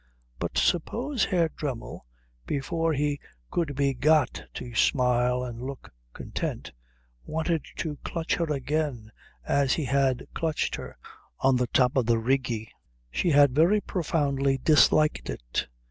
But suppose Herr Dremmel, before he could be got to smile and look content, wanted to clutch her again as he had clutched her on the top of the Rigi? She had very profoundly disliked it.